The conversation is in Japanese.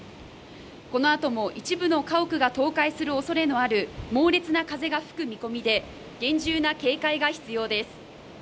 このあとも一部の家屋が倒壊するおそれのある猛烈な風が吹く見込みで、厳重な警戒が必要です。